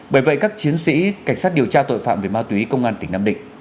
bởi vậy các chiến sĩ cảnh sát điều tra tội phạm về ma túy công an tỉnh nam định